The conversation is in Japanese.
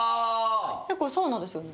これサウナですよね？